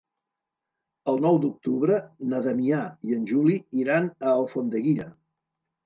El nou d'octubre na Damià i en Juli iran a Alfondeguilla.